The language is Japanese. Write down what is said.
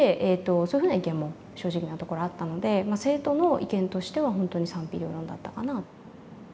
そういうふうな意見も正直なところあったので生徒の意見としては本当に賛否両論だったかな。